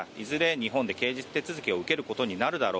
日本で刑事手続きを受けることになるだろう